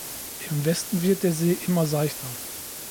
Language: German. Im Westen wird der See immer seichter.